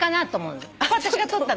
これ私が撮った。